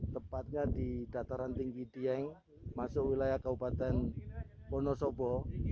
tepatnya di dataran tinggi dieng masuk wilayah kabupaten wonosobo